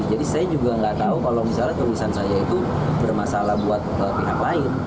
jadi saya juga gak tau kalau misalnya tulisan saya itu bermasalah buat pihak